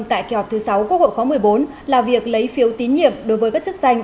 tại kỳ họp thứ sáu quốc hội khóa một mươi bốn là việc lấy phiếu tín nhiệm đối với các chức danh